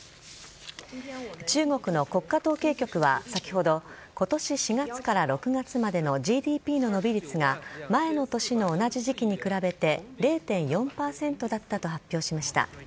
中国の国家統計局は先ほど今年４月から６月までのＧＤＰの伸び率が前の年の同じ時期に比べて０．４％だったと発表しました。